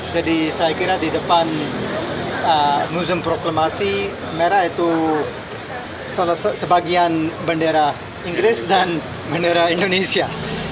jadi saya kira di depan musim proklamasi merah itu sebagian bendera inggris dan bendera indonesia